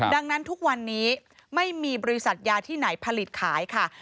ดังนั้นทุกวันนี้ไม่มีบริษัทยาที่ไหนผลิตขายค่ะ